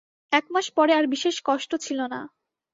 একমাস পরে আর বিশেষ কষ্ট ছিল না।